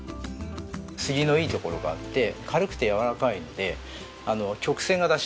杉のいいところがあって軽くてやわらかいので曲線が出しやすい。